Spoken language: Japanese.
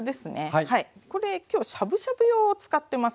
これ今日しゃぶしゃぶ用を使ってます。